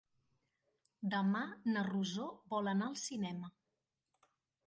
Demà na Rosó vol anar al cinema.